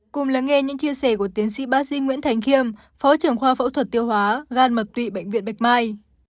cùng lắng nghe những chia sẻ của tiến sĩ bác sĩ nguyễn thành khiêm phó trưởng khoa phẫu thuật tiêu hóa gan mật tụy bệnh viện bạch mai